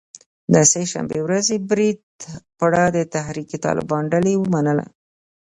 د سه شنبې ورځې برید پړه د تحریک طالبان ډلې ومنله